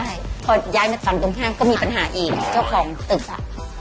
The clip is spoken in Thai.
ใช่พอย้ายมาฝั่งตรงข้ามก็มีปัญหาอีกเจ้าของตึกอ่ะ